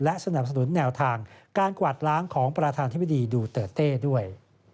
และสนับสนุนแนวทางการกวาดล้างของประธานธิบดีดูเตอร์เต้ด้วย